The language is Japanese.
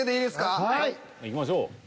いきましょう。